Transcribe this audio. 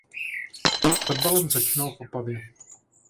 S fotbalem začínal v Opavě.